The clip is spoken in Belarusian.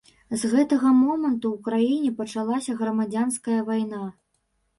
З гэтага моманту ў краіне пачалася грамадзянская вайна.